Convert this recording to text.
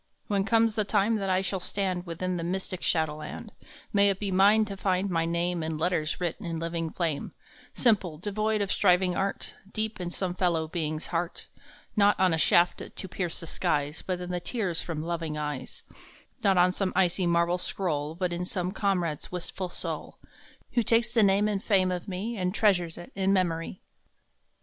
When comes the time that I shall stand Within the mystic shadowland, May it be mine to find my name In letters writ in living flame, Simple, devoid of striving art, Deep in some fellow being s heart* Not on a shaft to pierce the skies, But in the tears from loving eyes ; Not on some icy marble scroll, But in some comrade s wistful soul, Who takes the name and fame of me And treasures it in memory